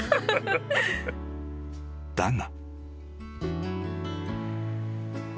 ［だが］